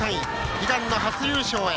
悲願の初優勝へ。